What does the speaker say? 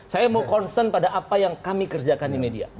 saya mau concern pada apa yang kami kerjakan di media